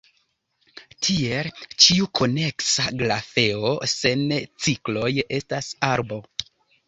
Tiel, ĉiu koneksa grafeo sen cikloj estas arbo.